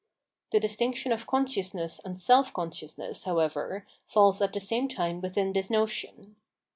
The distinction of consciousness and self consciousness, however, falls at the same time within this notion.